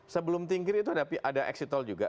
sebelum tingkir itu ada exit tol juga